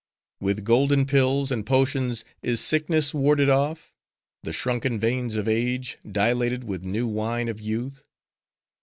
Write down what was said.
With golden pills and potions is sickness warded off?—the shrunken veins of age, dilated with new wine of youth?